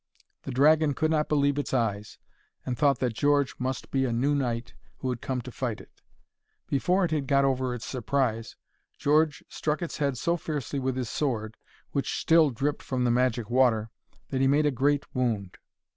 The dragon could not believe its eyes, and thought that George must be a new knight who had come to fight it. Before it had got over its surprise, George struck its head so fiercely with his sword, which still dripped from the magic water, that he made a great wound.